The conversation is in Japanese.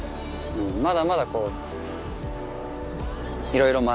まだまだこう。